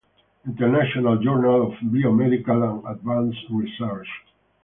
International Journal of Biomedical and Advance Research.